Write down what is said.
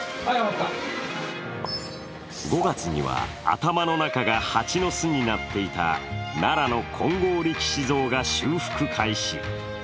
５月には、頭の中が蜂の巣になっていた奈良の金剛力士像が修復開始。